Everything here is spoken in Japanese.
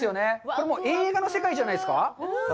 これ、映画の世界じゃないですか。